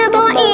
em tolongin ya